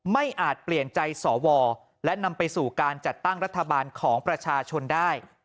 อาจเปลี่ยนใจสวและนำไปสู่การจัดตั้งรัฐบาลของประชาชนได้